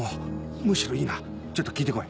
むしろいいなちょっと聞いて来い。